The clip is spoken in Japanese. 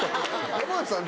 山内さん。